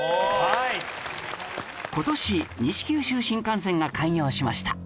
今年西九州新幹線が開業しました